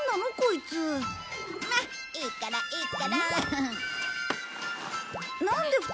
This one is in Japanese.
いいからいいから。